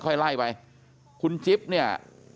ค่อยไล่ไปคุณจิ๊บเนี่ย